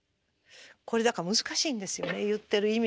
これだから難しいんですよね言ってる意味が。